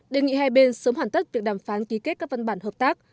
đề nghị hai bên sớm hoàn tất việc đàm phán ký kết các văn bản hợp tác